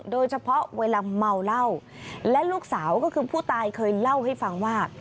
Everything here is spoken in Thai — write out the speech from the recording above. เวลาเมาเหล้าและลูกสาวก็คือผู้ตายเคยเล่าให้ฟังว่า